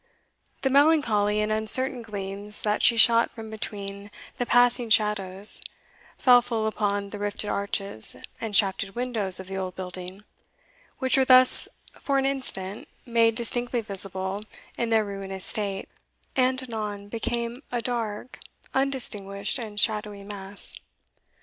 The melancholy and uncertain gleams that she shot from between the passing shadows fell full upon the rifted arches and shafted windows of the old building, which were thus for an instant made distinctly visible in their ruinous state, and anon became again a dark, undistinguished, and shadowy mass.